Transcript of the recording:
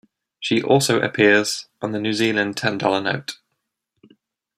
She also appears on the New Zealand ten-dollar note.